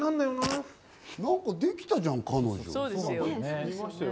できたじゃん彼女。